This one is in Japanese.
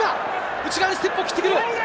内側にステップを切ってくる！